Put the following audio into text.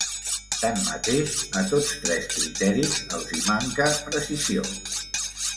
Tanmateix, a tots tres criteris els hi manca precisió.